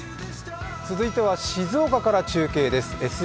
続いては静岡から中継です。